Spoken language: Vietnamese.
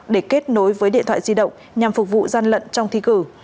để kết nối với điện thoại di động nhằm phục vụ gian lận trong thi cử